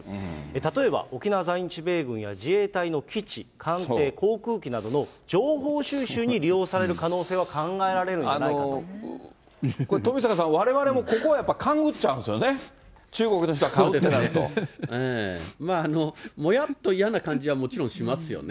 例えば沖縄在日米軍や自衛隊の基地、艦艇、航空機などの情報収集に利用される可能性は考えられるんじゃないこれ、富坂さん、われわれもここはやっぱり勘ぐっちゃうんですよね、中国の人が買うとなると。もやっと嫌な感じはもちろんしますよね。